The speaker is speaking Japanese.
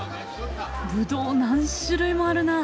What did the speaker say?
ブドウ何種類もあるな。